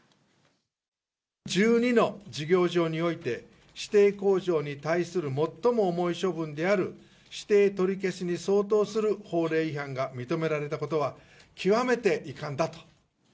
１２の事業場において、指定工場に対する最も重い処分である指定取消に相当する法令違反が認められたことは、極めて遺憾だと。